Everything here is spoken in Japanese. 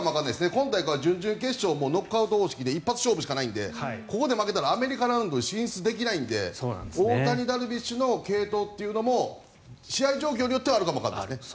今大会は準々決勝もノックアウト方式で一発勝負しかないのでここで負けたらアメリカラウンドに進出できないので大谷、ダルビッシュの継投というのも試合状況によってはあるかも。